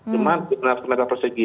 cuman lima ratus meter persegi